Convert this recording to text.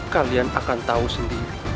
kalian akan tahu sendiri